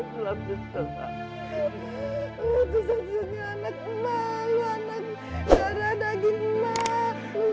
lu bisa jadi anak emak lu anak daging emak